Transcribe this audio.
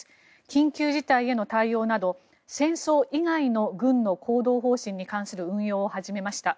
緊急事態への対応など戦争以外の軍の行動方針に関する運用を始めました。